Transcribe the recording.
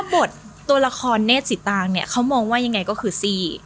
บทตัวละครเนธสิตางเนี่ยเขามองว่ายังไงก็คือซี่